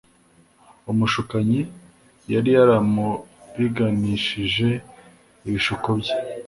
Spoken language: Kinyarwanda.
Umushukanyi yari yaramuriganishishije ibishuko bye;